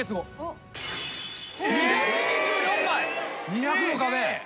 ・２００の壁？